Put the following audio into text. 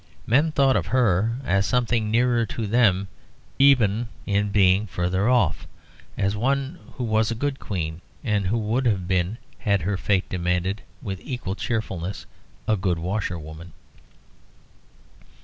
Men thought of her as something nearer to them even in being further off; as one who was a good queen, and who would have been, had her fate demanded, with equal cheerfulness, a good washerwoman.